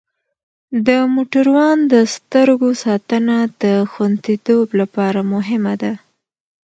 د موټروان د سترګو ساتنه د خوندیتوب لپاره مهمه ده.